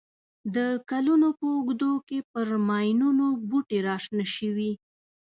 د کلونو په اوږدو کې پر ماینونو بوټي را شنه شوي.